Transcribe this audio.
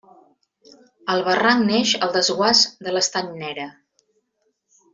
El barranc neix al desguàs de l'Estany Nere.